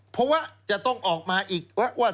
เพราะว่าจะต้องออกมาอีกว่า